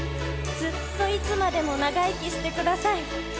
ずっといつまでも長生きしてください。